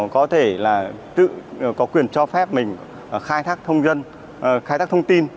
có thể là có quyền cho phép mình khai thác thông tin